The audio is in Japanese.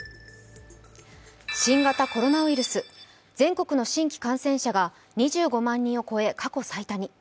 新型コロナウイルス、全国の新規感染者が２５万人を超え、過去最多に。